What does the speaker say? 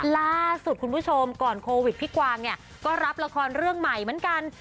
ล่าสุดคุณผู้ชมก่อนโควิดพี่กวางเนี่ยก็รับละครเรื่องใหม่เหมือนกัน